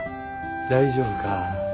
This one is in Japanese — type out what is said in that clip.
大丈夫か？